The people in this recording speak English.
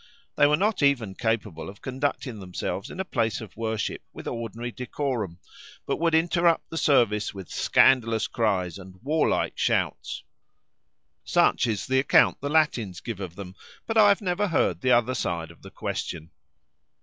They were not even capable of conducting themselves in a place of worship with ordinary decorum, but would interrupt the service with scandalous cries and warlike shouts. Such is the account the Latins give of them, but I have never heard the other side of the question.